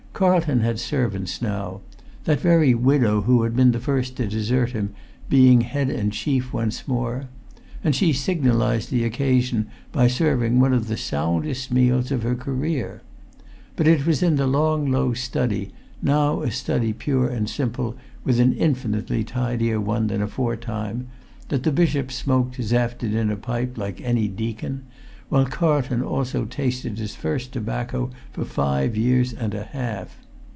Carlton had servants now, that very widow who had been the first to desert him being head and chief once more; and she signalised the occasion by serving one of the soundest meals of her career. But it was in the long low study, now a study pure and simple, and an infinitely tidier one than aforetime, that the bishop smoked his after dinner pipe like any deacon, while Carlton also tasted his first tobacco for five years and a half.